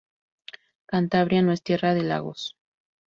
Cantabria no es tierra de lagos.